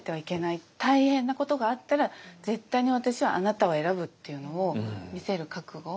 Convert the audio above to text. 大変なことがあったら絶対に私はあなたを選ぶっていうのを見せる覚悟